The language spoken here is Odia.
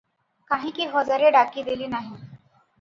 କାହିଁକି ହଜାରେ ଡାକିଦେଲି ନାହିଁ?